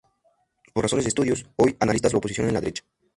Por razones de estudios, hoy analistas lo posicionan en la derecha.